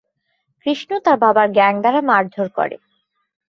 কৃষ্ণ তার বাবার গ্যাং দ্বারা মারধর করে।